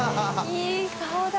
いい顔だ。